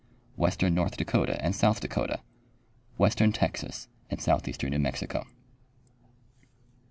Western North Dakota and South Dakota. Western Texas and southeastern New Mexico.